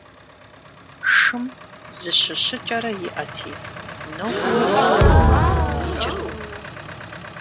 Шым зы щыщыкӀэрэ иӀэти, нобэми си тхьэкӀумэм икӀыркъым…